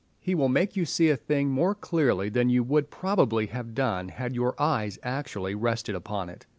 He will make you see a thing more clearly than you would probably have done had your eyes actually rested upon it.